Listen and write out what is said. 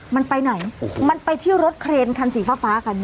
มันไปไหนมันไปที่รถเครนคันสีฟ้าฟ้าคันนี้